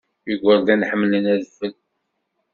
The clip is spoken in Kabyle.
Igerdan ḥemmlen adfel.